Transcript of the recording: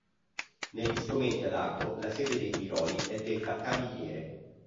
Negli strumenti ad arco la sede dei piroli è detta cavigliere.